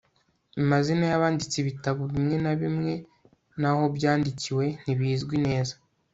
amazina y'abanditse ibitabo bimwe na bimwe n'aho byandikiwe ntibizwi neza